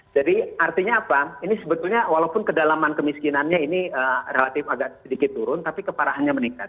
jadi artinya apa ini sebetulnya walaupun kedalaman kemiskinannya ini relatif agak sedikit turun tapi keparahannya meningkat